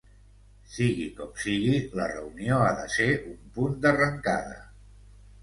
Sigui com sigui, la reunió ha de ser un punt d’arrencada.